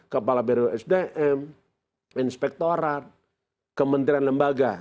kepala biro sdm inspektorat kementerian lembaga